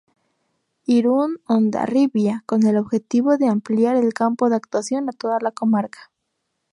Irun-Hondarribia" con el objetivo de ampliar el campo de actuación a toda la comarca.